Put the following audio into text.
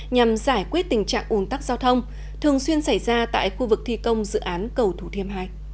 nhằm giải quyết tình trạng ủn tắc giao thông thường xuyên xảy ra tại khu vực thi công dự án cầu thủ thiêm hai